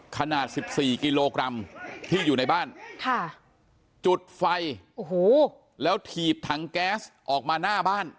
ขนาด๑๔กิโลกรัมที่อยู่ในบ้านจุดไฟโอ้โหแล้วถีบถังแก๊สออกมาหน้าบ้าน